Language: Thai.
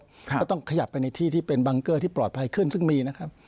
ก็ต้องขยับไปในที่ที่เป็นบังเกอร์ที่ปลอดภัยขึ้นซึ่งมีนะครับ